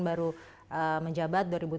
baru menjabat dua ribu tujuh belas